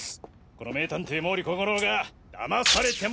この名探偵毛利小五郎がだまされても。